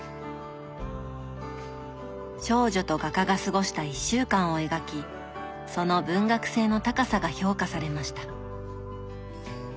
少女と画家が過ごした１週間を描きその文学性の高さが評価されました。